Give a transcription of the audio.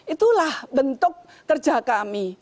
itulah bentuk kerja kami